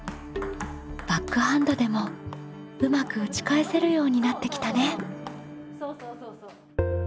バックハンドでもうまく打ち返せるようになってきたね。